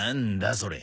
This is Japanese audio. それ。